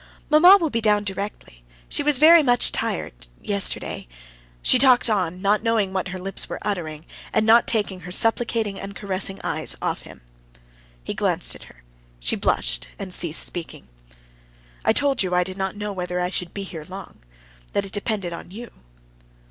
"Mamma will be down directly. She was very much tired.... Yesterday...." She talked on, not knowing what her lips were uttering, and not taking her supplicating and caressing eyes off him. He glanced at her; she blushed, and ceased speaking. "I told you I did not know whether I should be here long ... that it depended on you...."